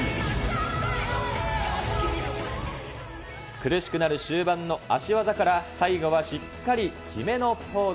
苦しくなる終盤の足技から最後はしっかり決めのポーズ。